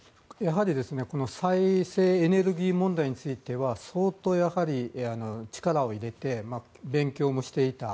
再生エネルギー問題については相当力を入れて勉強もしていた。